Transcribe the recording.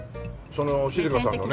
その静香さんのね